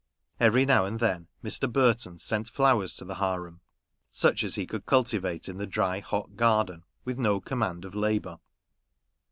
Every now and then Mr. Burton sent flowers to the harem ; such as he could cultivate in the dry hot garden, with no command of labour.